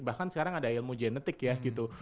bahkan sekarang ada ilmu genetik ya gitu